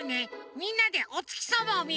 みんなでおつきさまをみるの。